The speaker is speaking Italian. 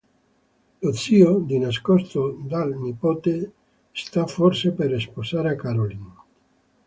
Lo zio, di nascosto dal nipote, sta forse per sposare Caroline.